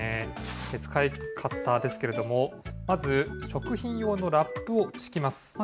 使い方ですけれども、まず、食品用のラップを敷きます。